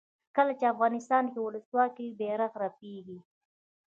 کله چې افغانستان کې ولسواکي وي بیرغ رپیږي.